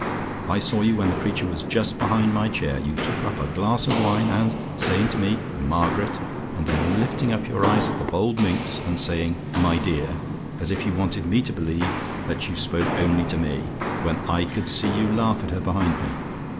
I saw you when the creature was just behind my chair; you took up a glass of wine, and saying to me, 'Margaret,' and then lifting up your eyes at the bold minx, and saying 'my dear,' as if you wanted me to believe that you spoke only to me, when I could see you laugh at her behind me.